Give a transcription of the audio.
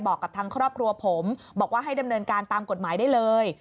บอกกับทางครอบครัวผมบอกว่าให้ดำเนินการตามกฎหมายได้เลย